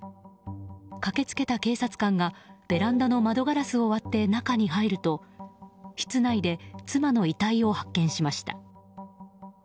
駆けつけた警察官がベランダの窓ガラスを割って中に入ると室内で妻の遺体を発見しました。